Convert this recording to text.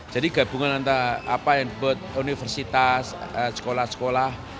jadi gabungan antara apa yang buat universitas sekolah sekolah